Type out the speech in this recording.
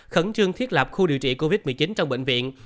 khẩn trương thiết lập khu điều trị covid một mươi chín trong bệnh viện